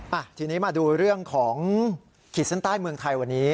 อ่ะทีนี้มาดูเรื่องของขีดเส้นใต้เมืองไทยวันนี้